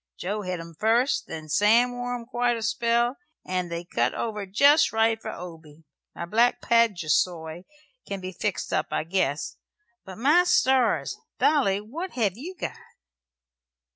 Joe hed 'em first, then Sam wore 'em quite a spell, and they cut over jest right for Obey. My black paduasoy can be fixed up, I guess. But, my stars! Dolly, what hev' you got?"